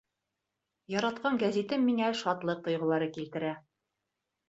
Яратҡан гәзитем миңә шатлыҡ тойғолары килтерә.